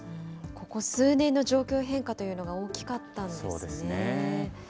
ここ数年の状況変化というのが大きかったんですね。